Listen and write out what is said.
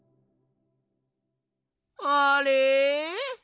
あれ？